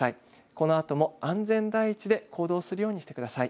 このあとも安全第一で行動するようにしてください。